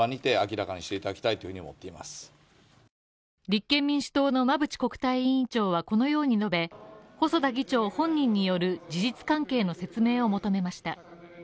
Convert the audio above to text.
立憲民主党の馬淵国対院長はこのように述べ、細田議長本人による事実関係の説明を求めました。